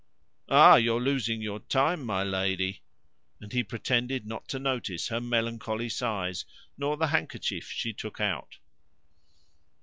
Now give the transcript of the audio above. "Ah! you're losing your time, my lady!" And he pretended not to notice her melancholy sighs, nor the handkerchief she took out.